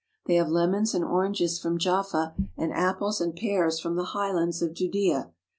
They have lemons and oranges from Jaffa and apples and pears from the highlands of Judea.